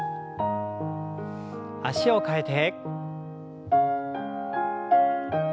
脚を替えて。